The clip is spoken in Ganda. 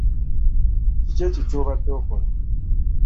Kiki ekyo ky'obadde okola?